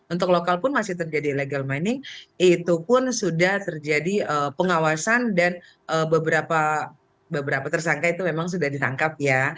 untuk lokal pun masih terjadi illegal mining itu pun sudah terjadi pengawasan dan beberapa tersangka itu memang sudah ditangkap ya